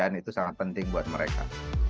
jadi itu adalah hal yang paling penting buat mereka